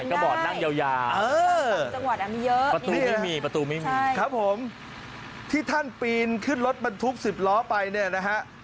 ก็บอกนั่งเยาประตูไม่มีประตูไม่มีครับผมที่ท่านปีนขึ้นรถบรรทุก๑๐ล้อไปเนี่ยนะฮะ